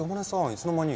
いつの間に。